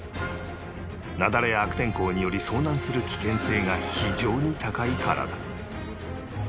雪崩や悪天候により遭難する危険性が非常に高いからだ